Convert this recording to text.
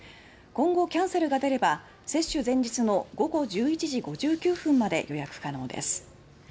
今後、キャンセルが出れば接種前日の午後１１時５９分まで予約可能です。